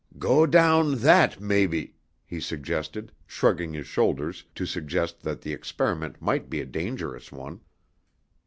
"Go down that, mebby," he suggested, shrugging his shoulders to suggest that the experiment might be a dangerous one.